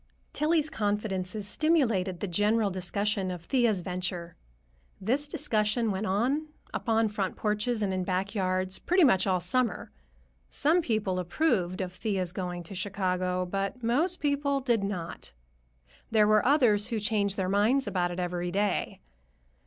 Tillie's confidences stimulated the general discussion of Thea's venture. This discussion went on, upon front porches and in back yards, pretty much all summer. Some people approved of Thea's going to Chicago, but most people did not. There were others who changed their minds about it every day.